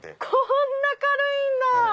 こんな軽いんだ！